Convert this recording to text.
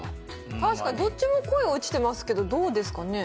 確かにどっちも恋落ちてますけどどうですかね？